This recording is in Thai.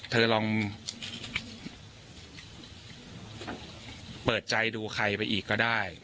เธอลองเปิดใจดูใครไปอีกก็ได้